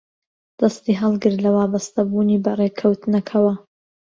دەستی هەڵگرت لە وابەستەبوونی بە ڕێککەوتنەکەوە